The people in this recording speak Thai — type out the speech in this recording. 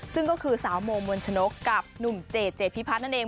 ซึ่งก็คือสาวโมมนชนกกับหนุ่มเจดเจพิพัฒน์นั่นเอง